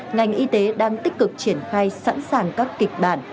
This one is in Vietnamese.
ngành y tế đang tích cực triển khai sẵn sàng các kịch bản